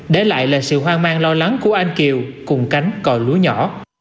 để lại là sự hoang mang lo lắng của anh kiều cùng cánh còi lúa nhỏ